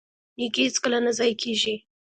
نیکي هیڅکله نه ضایع کیږي.